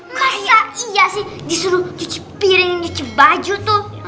masa iya sih disuruh cuci piring cuci baju tuh